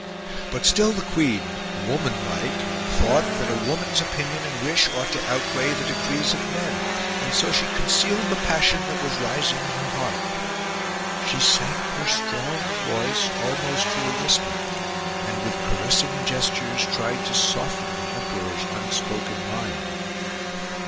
But still the queen, woman like, thought that a woman's opinion and wish ought to outweigh the decrees of men ; and so she concealed the passion that was rising in her heart ; she sank her strong voice almost to a whisper ; and with caressing gestures tried to soften the emperor's unspoken mind.